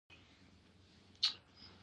هغوی د ژمنې په بڼه سفر سره ښکاره هم کړه.